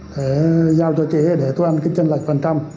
để giao cho chị để tôi ăn cái chân lạch bằng trăm